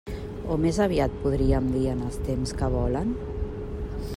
O més aviat podríem dir en els temps que volen?